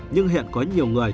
nhưng hiện có nhiều người